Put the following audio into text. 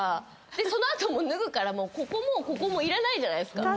その後脱ぐからここもここもいらないじゃないですか。